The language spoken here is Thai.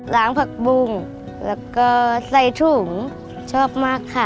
ผักบุ้งแล้วก็ใส่ถุงชอบมากค่ะ